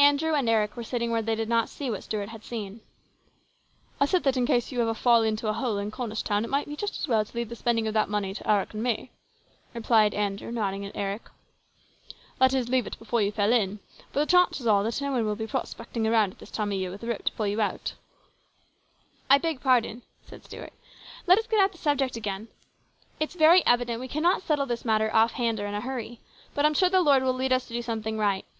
Andrew and Eric were sitting where they did not see what Stuart had seen. " I said that in case you ever fall into a hole in Cornish town it might be just as well to leave the spending of that money to Eric and me," replied Andrew, nodding at Eric. " That is, leave it before you fell in. For the chances are that no one will be prospecting around at this time of the year with a rope to pull you out." " I beg pardon," said Stuart. " Let us get at the subject again. It's very evident we cannot settle this matter off hand or in a hurry. But I'm sure the Lord will lead us to do something right.